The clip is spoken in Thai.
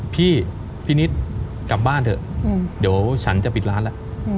พี่พี่นิดกลับบ้านเถอะเดี๋ยวฉันจะปิดร้านแล้ว